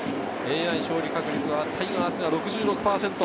ＡＩ勝利確率はタイガースが６６％。